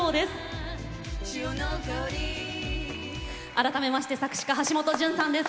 改めまして作詞家橋本淳さんです。